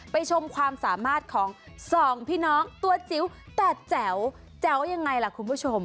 ชมความสามารถของสองพี่น้องตัวจิ๋วแต่แจ๋วแจ๋วยังไงล่ะคุณผู้ชม